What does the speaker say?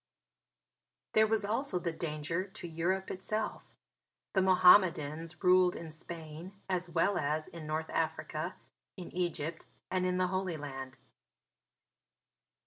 There was also the danger to Europe itself. The Mohammedans ruled in Spain as well as in North Africa, in Egypt and in the Holy Land.